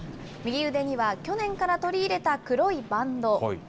右腕には、去年から取り入れた黒いバンド。